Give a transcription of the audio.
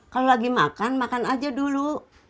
kalau lagi makan makan aja dulu